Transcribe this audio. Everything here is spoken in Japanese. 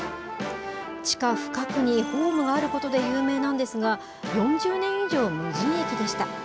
地下深くにホームがあることで有名なんですが、４０年以上、無人駅でした。